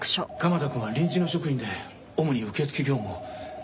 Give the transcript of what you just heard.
鎌田くんは臨時の職員で主に受け付け業務を。